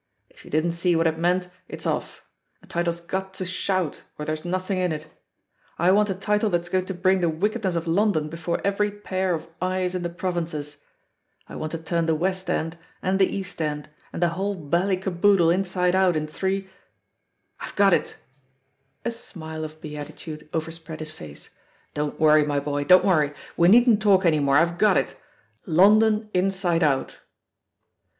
"If you didn't see what it meant, it's off — a title's got to shout, or there's nothing in it. I want a title that's going to bring the wickedness of London before every pair of eyes in the provinces. I OTHE POSITION OF PEGGY HARPER 1811 want to turn the West End, and the East End^ and the whole bally caboodle inside out in three •— IVe got itr* A smile of beatitude overspread his face. "Don't worry, my boy, don't worry; we needn't talk any more, I've got it! Xondon Inside Out.'